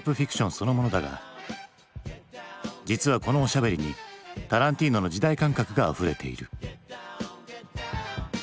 そのものだが実はこのおしゃべりにタランティーノの時代感覚があふれている。